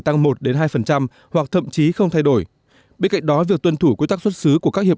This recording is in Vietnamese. tăng một hai hoặc thậm chí không thay đổi bên cạnh đó việc tuân thủ quy tắc xuất xứ của các hiệp